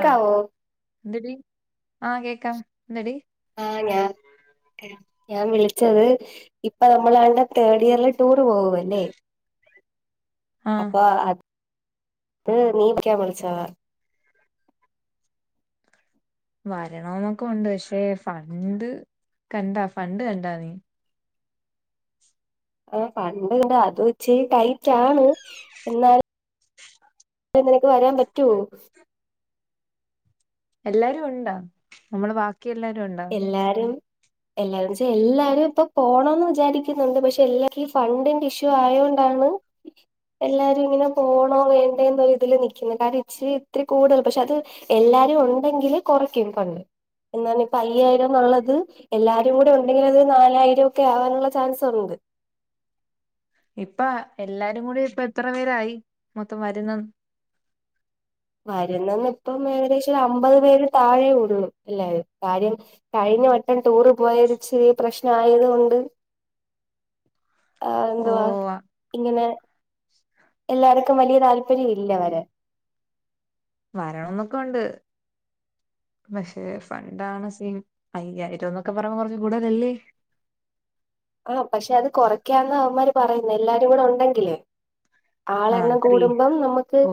ആഹ് എന്തെടി ആ കേക്കാം എന്തെടി ആഹ് ഞാൻ ഞാൻ വിളിച്ചത് ഇപ്പ നമ്മളെണ്ടാ തേഡ് ഇയർല് ടൂറ് പോകുവല്ലേ ആഹ് അപ്പൊ അത് [inaudible] വിളിച്ചതാ വരണോന്നൊക്കെ ഒണ്ട് പക്ഷേ ഫണ്ട് കണ്ടാ ഫണ്ട് കണ്ടാ നീ ആ ഫണ്ട് ണ്ട് അത് ഇച്ചരി ടൈറ്റ് ആണ് എന്നാൽ നിനക്ക് വരാൻ പറ്റുവോ എല്ലാരും ഉണ്ടോ നമ്മള് ബാക്കി എല്ലാരും ഉണ്ടോ എല്ലാരും എല്ലാരും ച്ച എല്ലാരും ഇപ്പൊ പോണം ന്ന് വിചാരിക്കുന്നുണ്ട് പക്ഷെ എല്ലാും ഈ ഫണ്ടിന്റെ ഇഷ്യ ആയൊണ്ടാണ് എല്ലാരും ഇങ്ങനെ പോണോ വേണ്ടേ എന്നൊ ഇതില് നൽക്കുന്നു കാരണം ഇച്ചിരി ഇത്തിരി കൂടുതൽ പക്ഷെ അത് എല്ലാരും ഉണ്ടെങ്കില് കുറക്കും ഫണ്ട് എന്നാണ് അയ്യായിരം എന്നുള്ളത് എല്ലാരും കൂടെ ഉണ്ടെങ്കില് അത് നാലായിരം ഒക്കെ ആവാനുള്ള ചാൻസ് ഉണ്ട് ഇപ്പ എല്ലാരും കൂടി ഇപ്പ എത്ര പേരായി മൊത്തം വരുന്ന വരുന്നന്ന് ഇപ്പം ഏകദേശം ഒരു അമ്പത് പേര് താഴേ ഉള്ളൂ അല്ലേ കാര്യം കഴിഞ്ഞ വട്ടം ടൂറ് പോയത് ഇച്ചിരി പ്രശ്നം ആയത് കൊണ്ട് ആ ഓ എന്തുവാ ഇങ്ങനെ എല്ലാരിക്കും വലിയ താല്പര്യം ഇല്ല അവരെ വരണംന്നൊക്കെ ഉണ്ട് പക്ഷെ ഫണ്ടാണ് സീൻ അയ്യായിരംന്നൊക്കെ പറയുമ്പോ കുറച്ച് കൂടുതലല്ലേ ആഹ് പക്ഷെ അത് കുറക്കാന്ന് അവന്മാര് പറയുന്ന എല്ലാരും കൂടെ ഉണ്ടെങ്കില് ആഹ് ആളെണ്ണം ത്രീ കൂടുമ്പം നമ്മുക്ക് ഓ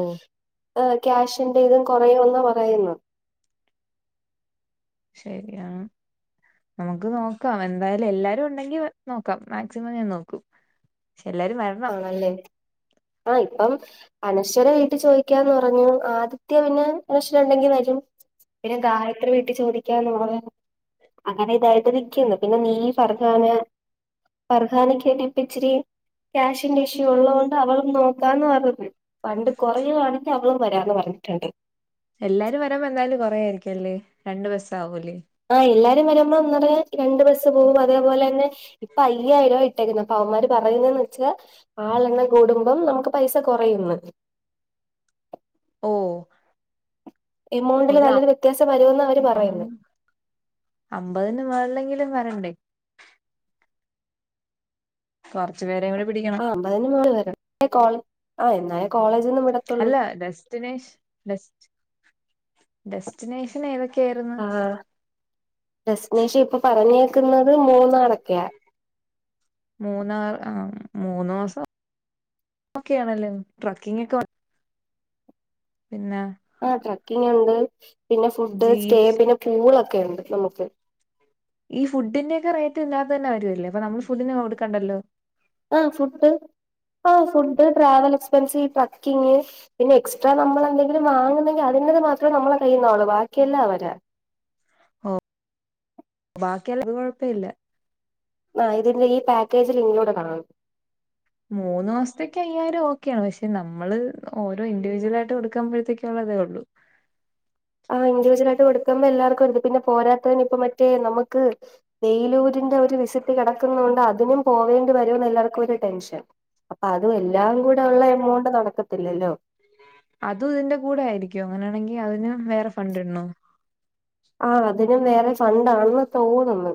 ആഹ് ക്യാഷിന്റെ ഇതും കുറയുംന്നാ പറയുന്നു ശരിയാ നമുക്ക് നോക്കാം എന്തായാലും എല്ലാരും ഉണ്ടെങ്കി നോക്കാം മാക്സിമം ഞാൻ നോക്കും ചെല്ലാരുവാ അല്ലേ ആ ഇപ്പം അനശ്വര വീട്ടിൽ ചോദിക്കാന്ന് പറഞ്ഞു ആദ്യത്യ പിന്നെ അനശ്വര ഉണ്ടെങ്കി വരും പിന്നെ ഗായത്രി വീട്ടിൽ ചോദിക്കാന്ന് പറഞ്ഞു അങ്ങനെ ഇതായിട്ട് നിക്കുന്ന് പിന്നെ നീ പറഞ്ഞാന് ഫർഹാന ക്ക്ട്ടപ്പിച്ചിരി ക്യാഷിന്റെ ഇഷ്യൂ ഉള്ളത് കൊണ്ട് അവളും നോക്കാന്ന് പറഞ്ഞത് ഫണ്ട് കുറയുകവാണെങ്കിൽ അവളും വരാന്ന് പറഞ്ഞിട്ടുണ്ട് എല്ലാരും വരാമ്പോ എന്തായാലും കൊറേ ആയിരിക്കുംല്ലേ രണ്ട് ബസ്സ് ആാവൂലേ ആഹ് എല്ലാരും വരുമ്പോൾ ഒന്നൂടെ രണ്ടു ബസ്സ് പോവും അതേപോലെ തന്നെ ഇപ്പ അയ്യായിരോ അപ്പ അവമാര് പറയുന്നന്ന് വെച്ചാൽ ആളെണ് കൂടുമ്പം നമുക്ക് പൈസ കുറയുന്നു ഓ എമൗണ്ടില് ഒരു നല്ലൊരു വ്യത്യാസം വരുമന്ന് അവർ അം പറയുന്നു അമ്പതിന് മേളിലെങ്കിലും വരണ്ടേ കുറച്ച് പേരെ ഇവിടെ പിടിക്ക അമ്പതിനന് മോളിൽ വരാം ആഹ് എന്നായാലും അല്ല ഡസ്റ്റിനേഷ് ഡെസ്റ്റിനേഷൻ ഏതൊക്കെയായിരുന്നു ആഹ ടെസ്റ്റിനേഷൻ ഇപ്പൊ പറഞ്ഞേക്കുന്നത് മൂന്നാറോക്കെയാ മൂന്നാ ആ മൂന്ന് മാസം ഓക്കെയാണല്ലേ ട്രക്കിംഗ് ഒക്കെ പിന്നെ ആ ട്രക്കിങ് ഉണ്ട് പിന്നെ ഫുഡ് സ്റ്റേ ജീപ്സ് പിന്നെ പൂളൊക്കെ ഉണ്ട് നമുക്ക് ഈ ഫുഡിന്റെ ഒക്കെ റേറ്റ് ഇതിനകത്തു തന്നെ വരൂല്ലേ അപ്പ നമ്മ ഫുഡിന് കൊടുകണ്ടല്ലോ ആ ഫുഡ് ആ ഫുഡ് ട്രാവൽ എക്സ്പെൻസ് ട്രക്കിങ് പിന്നെ എക്സ്ട്രാ നമ്മള എന്തെങ്കിലും വാങ്ങുന്നെങ്കിൽ അതിന്റേത് മാത്രേ നമ്മെ കഴിയുന്നള്ളൂ ബാക്കിയല്ല അവരാ ഓ ബാക്കി എല്ല കൊഴപ്പ ഇല്ല ആ ഇതിന്റെ ഈ പാക്കേജിൽ ഇൻക്ലൂഡ് ആണ് മൂന്ന് മാസത്തേക്ക് അയ്യായിരം ഓക്കെയാണ് പക്ഷെ നമ്മള് ഓരോ ഇൻഡിവിജ്വൽ ആയിട്ട് കൊടുക്കുമ്പഴത്തേക്ക ഉള്ളതേ ഉള്ളൂ ആഹ് ഇൻഡവിജ്വൽ ആയിട്ട് കൊടുക്കുമ്പോ എല്ലാർക്കുംരുത് പിന്നെ പോരാത്തത്തിനു ഇപ്പ മറ്റേ നമുക്ക് വേലൂരിന്റെ ഒരു വിസിറ്റ് കിടക്കുന്നൊണ്ട് അതിനും പോവേണ്ടി വരോന്ന് എല്ലാവർക്കും ഒരു ടെൻഷൻ അപ്പൊ അതും എല്ലാം കൂടെ ഉള്ള എമൗണ്ട് നടക്കത്തില്ലല്ലോ. അതും ഇതിന്റെ കൂടെ ആയിരിക്കും അങ്ങനെയാണെങ്കിൽ അതിന് വേറെ ഫണ്ട് ഇടണോ. ആഹ് അതിനും വേറെ ഫണ്ടാണെന്ന് തോന്നുന്നു.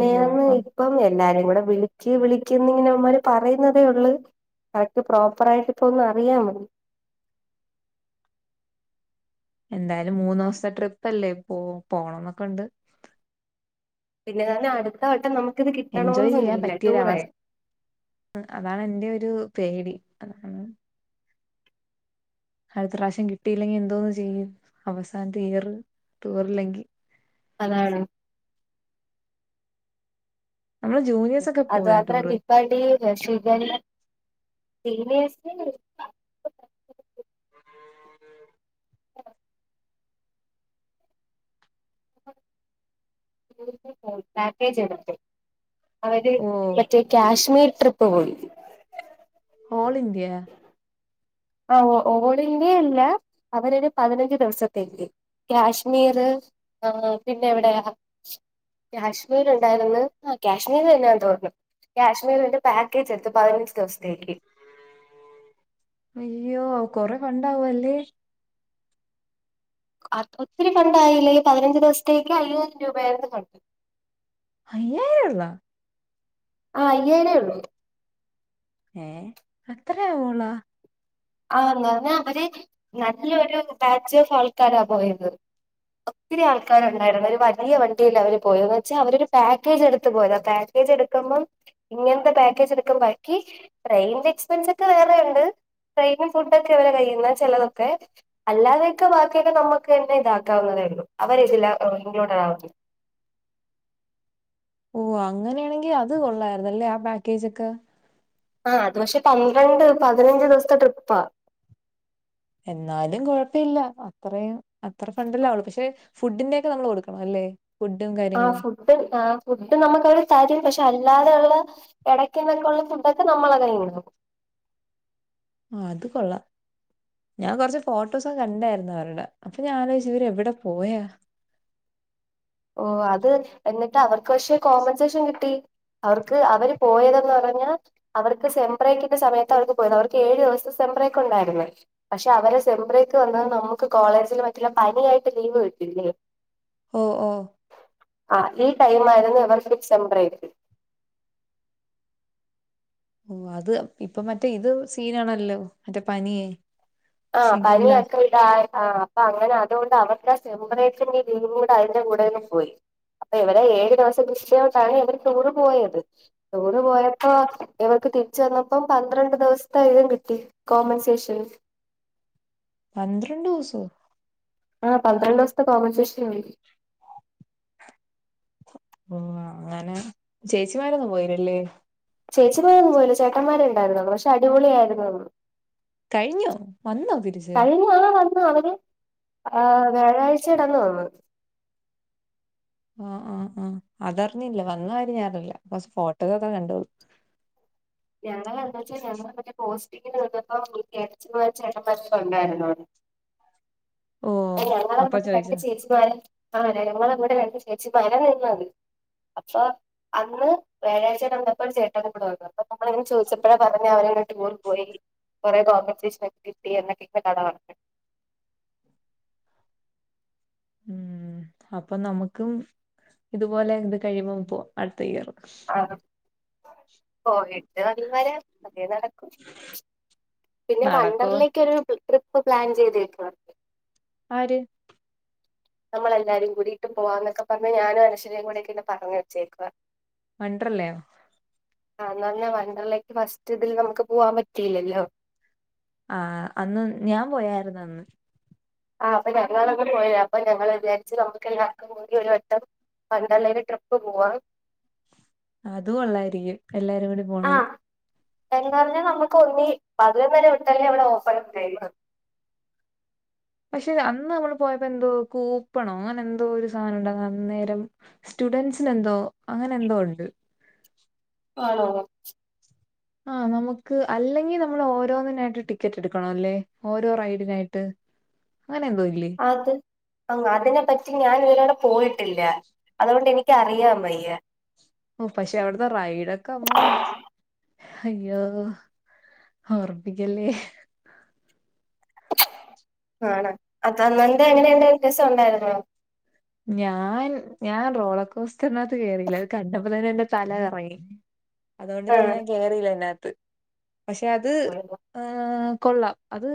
അയ്യോ അപ്പം ഇപ്പം എല്ലാരും കൂടെ വിളക്ക് വിളിക്കന്ന് ഇങ്ങനെ ഇവന്മാരെ പറയുന്നതേ ഉള്ളു. അ വർക്ക് പ്രോപ്പർ ആയിട്ട് ഇപ്പൊ ഒന്ന് അറിയാമോ? എന്തായാലും മൂന്ന് ദിവസത്തെ ട്രിപ്പ് അല്ലേ ഇപ്പോ പോകണംന്നൊക്കെ ഉണ്ട്. പിന്നെ തന്നെ അടുത്ത വട്ടം നമുക്കിത് എൻജോയ് കിട്ടണമന്ന് ചെയ്യാൻ ല്ല ടൂറെ. പറ്റിയൊരവസ അതാണ് എറെ ഒരു പേടി അതാണ്. അടുത്ത പ്രാവശ്യം കിട്ടിയില്ലെങ്കിൽ എന്തോന്നന്ന് ചെയ്യും അവസാനത ഇയർ ടൂറല്ലെങ്കിൽ അതാണ്. നമ്മള് ജൂനിയേഴ്സ് ഒക്കെ അത് പോയാ മാത്രം ടൂറ് ട്രിപ്പായിട്ട് [unintelligible] സിനിയേഴ്‌സ് [inaudible] [unintelligible] പഴക്കേജ് എടുത്ത് അവരെ ഓ [unintelligible] കാശ്മീർ ട്രിപ്പ് പോയി. ഓൾ ഇന്ത്യ ആ ഓൾ ഇന്ത്യയല്ല അവരരു പതിനഞ്ച് ദിവസത്തേക്ക് കാശ്മീർ ആ പിന്നെ എവിടെയാ കാശ്മീർ ഉണ്ടായിരുന്നു ആ കാശ്മീര് തന്നാന്ന് തോന്നുണ്. കാശ്മീരിന്റെ പാക്കേജ് എടുത്ത് പതിനഞ്ച് ദിവസത്തേക്ക്. അയ്യോ കൊറെ ഫണ്ട് ആവൂല്ലേ. അ ഒത്തിരി ഫണ്ട് ആായില്ലേ ഈ പതിനഞ്ച് ദിവസത്തേക്ക് അയ്യായിരം രൂപയായിരുന്നു ഫണ്ട്. അയ്യേ [unintelligible] ആ അയ്യായിരേ ഉള്ളൂ. എ അത്രയേ അവള്ളൂ ആന്നാ അവര് നാട്ടിലെ നല്ലൊരു ബാച്ച് ഓഫ് ആൾക്കാരാ പോയത്. ഒത്തിരി ആൾക്കാരുണ്ടായിരുന്നു ഒരു വലിയ വണ്ടിയിൽ അവര് പോയന്ന് വെച്ചാൽ അവരരു പാക്കേജ് എടുത്ത് പോയത് ആയിരുന്നു. പജ എടുക്കുമ്പം ഇങ്ങനത്തെ പാക്കേജ് എടുക്കുമ്പം ബാക്കി ട്രെയിന്റെ എക്സ്പെൻസ് ഒക്കെ വേറെ ഉണ്ട്. ട്രെയിനി ഫുഡ് ഒക്കെ അവവടെ കയ്യിന്ന് ചിലതൊക്കെ. അല്ലാതെയൊക്കെ ബാക്കിയൊക്കെ നമുക്ക് തന്നെ ഇതാക്കാവുന്നതേ ഉള്ളൂ അവർതി ഇൻക്ലൂഡ ആവുന്നു. ഓ അങ്ങനെയാണെങ്കിൽ അത് കൊള്ളയിരുന്നു ല്ലേ ആ പാക്കേജ്‌ ഒക്കെ. ആഹ അത് പക്ഷെ പന്ത്രണ്ട് പതിനഞ്ച് ദിവസത്തെ ട്രിപ്പാ. എന്നാലും കുഴപ്പ ഇില്ല അത്രയും അത്ര ഫണ്ടല്ലാവള്ളൂ പക്ഷെ ഫുഡിന്റെ ഒക്കെ നമ്മൾ കൊടുക്കണം അല്ലേ ഫുഡും കാര്യങ്ങളും. ഫു് ആ ഫുഡ് നമുക്ക് അവര് തരും പക്ഷെ അല്ലാതെയള്ള ഇടയ്ക്കുന്നൊക്കുള്ള ഫുഡൊക്കെ നമ്മള കഴിയുന്നതും ആ അത് കൊള്ളാം. ഞാൻ കുറച്ച് ഫോട്ടോസൊക്കെ കണ്ടായിരുന്നു അവരുടെ അപ്പൊ ഞാൻ ആലോചിച്ച് ഇവര് എവിടെ പോയാ. ഓഹ് അത് എന്നിട്ട് അവർക്ക് പക്ഷേ കോമ്പൻസേഷൻ കിട്ടി. അവർക്ക് അവര് പോയതെന്ന് പറഞ്ഞാ അവർക്ക് സെംബ്രേക്കിന്റെ സമയത്ത് അവർക്ക് പോയിരുന്നു അവർക്ക് ഏഴു ദിവസത്തെ സെംബ്രേക്ക് ഉണ്ടായിരുന്നു. പക്ഷെ അവരെ സെമ്പ്രേക്ക് വന്ന നമുക്ക് കോളേജിൽ മറ്റുള്ള പനിയായിട്ട് ലീവ് കിട്ടില്ലേ. ഓഹ് ഓഹ് ആതെ ടൈം ആയിരുന്നു ഇവർ ഫിസംബറയി്രിക്കും ഓ അത് ഇപ്പൊ മറ്റേ ഇത് സീനാണല്ലോ മറ്റേ പനിയേ ആഹ പനിയൊക്കെ പിടിച്ചോ ആഹ് അപ്പൊ അങ്ങനെ അതുകൊണ്ട് അവർക്ക് ആ സെമ്പറേറ്ററിന്റെ വീ കൂടെ അതിന്റെ കൂടെന്ന് പോയി. അപ്പൊ ഇവടെ ഏഴു ദിവസം കൃഷിയോട്ടാണ് ഇവര് ടൂറ് പോയത്. ടൂർ പോയപ്പോ ഇവർക്ക് തിരിച്ച വന്നപ്പോ പന്ത്രണ്ട് ദിവസത്തൊയതും കിട്ടി. കോമൻസേഷൻ പന്ത്രണ്ട് സോ ആ പന്ത്രണ്ട് ദിവസത്തെ കോമ്പൻസേഷൻ വിളിക്ക് ഉ അങ്ങനെ ചേച്ചിമാരൊന്നും പോയിരല്ലേ ചേച്ചിമാരന്നും ല്ല ചേട്ടന്മാര്ണ്ടായിരുന്നുള്ളൂ പക്ഷെ അടിപൊളിയായിരുന്നുു കഴിഞ്ഞു വന്നോ തിരിച്ച് ആ വന്നു അവര് ആ വ്യാഴാഴ്ചടന്നു അവന്ന് ആ ആ ആ അത അറിഞ്ഞില്ല വന്ന കാര്യം ഞാ അറിഞ്ഞില്ല പക്ഷേ ഫോട്ടോകൊക്കെ കണ്ടോളൂ ഞങ്ങ എന്തച്ചാ ഞങ്ങള് മറ്റേ പോസ്റ്റ് നിന്നപ്പോ കേട ചേട്ട മനസ ഉണ്ടായിരുന്നോടെ [unintelligible] ഓ അപ്പൊ ഞങ്ങളമ്മടെ രണ്ട് ചോദിച്ചോ ചേച്ചിമാര ആ ഞങ്ങൾമ്മടെ രണ്ട് ചേച്ചിമാരാ നിന്നത് അപ്പോ അന്ന് വ്യാഴാഴ്ചന്നപ്പോ ചേട്ടനു കുടെ വന്ന് അപ്പൊ നമ്മളെ ചോദിച്ചപ്പോഴാ പറഞ്ഞ അവനങ്ങെ ടൂർ പോയി കുറെ കോമ്പൻസേഷൻ ഒക്കെ കിട്ടി എന്നക്കെ [unintelligible] ഉം അപ്പൊ നമുക്കും ഇതുപോലെ ഇത് കഴിയ്പം പോ അടുത്ത ഇയർ പോയിട്ട് വന്ന വരാ അതെ നടക്കും പിന്നെ നടക്കോ വണ്ടറിലേക്കൊരു ട്രിപ്പ് പ്ലാൻ ചെയ്ത്ക്കുവാ ആര് നമ്മളെല്ലാരും കൂടിയിട്ട് പോവാന്നൊക്കെ പറഞ്ഞ് ഞാനും അനശ്വരയും കൂടെക്കെ പറഞ്ഞ് വച്ചേക്കുക മണ്ടറല്ലേ ആ എന്നാ പറഞ്ഞ വണ്ടറിലേക്ക് ഫസ്റ്റ് ഇതിൽ നമുക്ക് പോവാൻ പറ്റീല്ലല്ലോ ആ അന്ന് ഞാൻ പോയായിരുന്നു അന്ന് ആ അപ്പൊ ഞങ്ങളൊന്ന പോരാ അപ്പൊ ഞങ്ങൾ വിചാരിച്ച് നമുക്ക് എല്ലർക്കും കൂടി ഒരു വട്ടം വണ്ടറെല്ല ട്രിപ്പ് പോവാ അതു കൊള്ളായിരിക്കും എല്ലാരും കൂടി പോണത് എന്താ പറഞ്ഞാൽ നമുക്ക് ഒന്ന പതിനൊന്നര വിട്ടല്ലേ അവിടെ ഓഫർ ഇട്ടേ പക്ഷെ അന്ന് നമ്മള് പോയപ്പോൾ എന്തോ കൂപ്പണോ അങ്ങനെ എന്തോ ഒരു സാധനം ഉണ്ടായിരുന്നു അന്നേരം സ്റ്റുഡന്റ്സന് എന്തോ അങ്ങനെ എന്തോ ഉണ്ട് ആണോ ആ നമുക്ക് അല്ലെങ്കിൽ നമ്മൾ ഓരോന്നിനായിട്ട് ടിക്കറ്റ് എടുക്കണല്ലേ ഓരോ റൈഡിനായിട്ട് അങ്ങനെന്തോ ഇല്ലേ അത് അങ്ങു അതിനെ പറ്റി ഞാൻ ഇവരോടെ പോയിട്ടില്ല അതോണ്ട് എനിക്കറിയാം വയ്യ പക്ഷെ അവിടത്തെ റൈഡൊക്കെ അമ്മോ അയ്യോ ഓർപ്പിക്കല്ലേ ആണ് അതല്ലാണ്ട് അങ്ങനെ എന്ത വ്യത്യാസം ഉണ്ടായിരുന്നോ ഞാൻ ഞാൻ റോളക്കോസ്റ്റ് എന്നകത്ത് കേയറിയില്ല അത് കണ്ടപ്പോ തന്നെ എന്റെ തല കറങ്ങി [unintelligible] അതോണ്ട് പിന്നെ ഞാൻ കേറിയില്ല അന്നകത്ത് പക്ഷെ അത് ആഹ് ഏ കൊള്ളാം അത്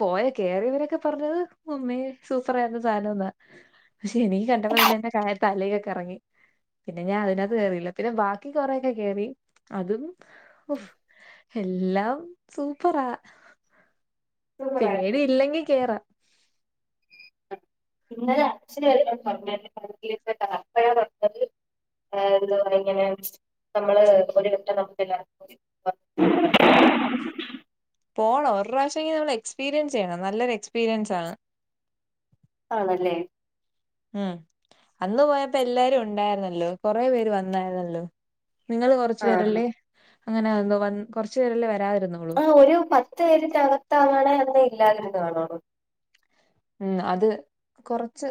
പോയ കേയറിയവരൊക്കെ പറഞ്ഞത് ഉമ്മേ സൂപ്പറ ആയിരുന്നു സധനംഎന്നാ എനിക്ക് കണ്ടപ്പോ തന്നെ എന്റെ തലക്കൊക്കെ കറങ്ങി പിന്നെ ഞാൻ അതിനകത്ത് കയറിയില്ല പിന്നെ ബാക്കി കി കൊറൊക്കെ കേറി അതും [unintelligible] എല്ലാം സൂപ്പറാ സൂപ്പറായിരുന്നു പേടി ഇല്ലെങ്കിൽ കേറാം ഇന്നലെ അചാൻ വരെ പറഞ്ഞൊക്ക [unintelligible] എ പറ ഇങ്ങനെ നമ്മള് ഒരു കട്ട നമുക്കല്ല [unintelligible] പോണം ഒരു പ്രാവശ്യങ്കിലും എക്സ്പീരിയൻസ് ചെയ്യണം നല്ലൊരു എക്സ്പീരിയൻസ് ആണ് ആണല്ലേ ഉം അന്ന് പോയപ്പോ എല്ലാരും ഉണ്ടായിരുന്നല്ലോ കുറെ പേര് വന്നായിരുന്നല്ലോ നിങ്ങൾ കൊറച്ചു ആഹ് പേരല്ലേ അങ്ങനെ എന്തോ കൊറച്ചു പേരെല്ലേ വരാതിരുന്നുളൂ ആഹ് ഒരു പത്ത് പേരിനകത്താവാണേ അന്ന് ഇല്ലാതിരുന്നത് കാണോ ഉം അത് കൊറച്ച്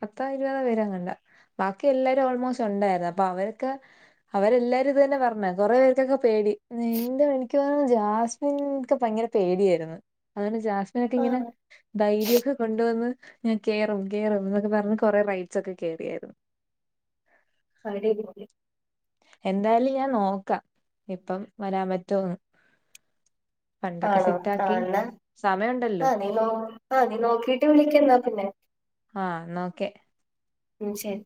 പത്താ ഇരൂപതാ പേരെങ്ങടാ ബാക്കി എല്ലാരും ഓൾമോസ്റ്റ് ഉണ്ടായിരുന്നു അപ്പൊ അവരൊക്കെ അവരെല്ലാരും ഇത് തന്നെ പറഞ്ഞെ കൊറേ പേര്ക്കൊക്കെ പേടി നിന്തോ എനിക്ക് തോന്ന്ണ് ജാസ് ഉം ഇൻക്ക് ഭയെങ്കെര പേടിയായ്‌ര്ന്ന് അതോണ്ട് ജാസ്മിനാെക്കെങ്ങെനെ ആഹ് ധൈര്യമൊക്കെ കൊണ്ടുവന്ന് ഞാൻ കേറും കേറും എന്നൊക്കെ പറഞ്ഞ് കൊറേ റൈറ്റ്സൊക്കെ കേയറിയായിരുന്നു [unintelligible] എന്തായാലും ഞാൻ നോക്കാം ഇപ്പം വരാം പറ്റോന്ന് ഫാണ്ടൊക്കെ ആണോ സെറ്റാക്കി ആഹ് എന്നാ സമയാെണ്ടല്ലോ ആഹ് നീ നോ ആഹ് നീ നോക്കീട്ട് വിളിക്ക് എന്നാ പിന്നെ ആഹ് ന്നാ ഓക്കെ ഉം ശരി